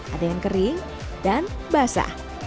ada yang kering dan basah